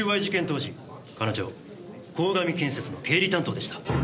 当時彼女鴻上建設の経理担当でした。